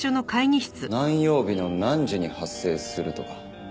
何曜日の何時に発生するとか。